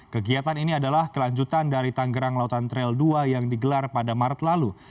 kegiatan ini adalah kelanjutan dari tanggerang lautan trail dua yang digelar pada maret lalu